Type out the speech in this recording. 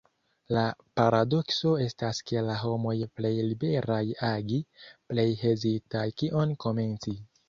La paradokso estas ke la homoj plej liberaj agi, plej hezitas kion komenci.